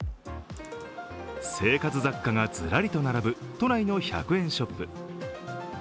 生活雑貨がずらりと並ぶ都内の１００円ショップ。